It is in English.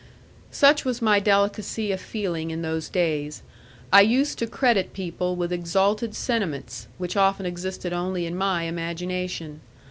Such was my delicacy of feeling in those days. I used to credit people with exalted sentiments, which often existed only in my imagination.